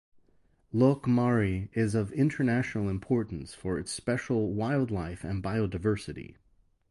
Loch Maree is of international importance for its special wildlife and biodiversity.